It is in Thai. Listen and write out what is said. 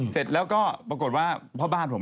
เสร็จแล้วก็ปรากฏว่าพ่อบ้านผม